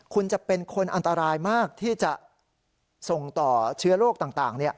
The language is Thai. คุณจะเป็นคนอันตรายมากที่จะส่งต่อเชื้อโรคต่าง